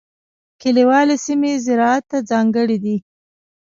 کلیوالي سیمې زراعت ته ځانګړې دي.